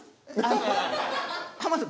浜田さん。